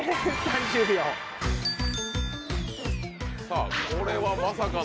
・さぁこれはまさかの。